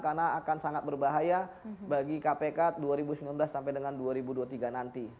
karena akan sangat berbahaya bagi kpk dua ribu sembilan belas sampai dengan dua ribu dua puluh tiga nanti